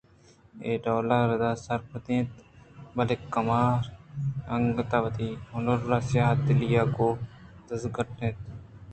اے ڈول ءَ درٛا سرپد اِت اَنت بلے کمکار انگتءَوتی ہُنرءُسیاہ دلی آں گوں دزگٹ اِت اَنت